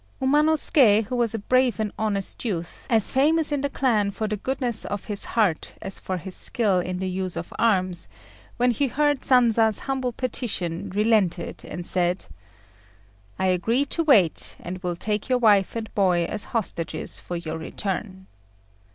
Umanosuké, who was a brave and honest youth, as famous in the clan for the goodness of his heart as for his skill in the use of arms, when he heard Sanza's humble petition, relented, and said "I agree to wait, and will take your wife and boy as hostages for your return."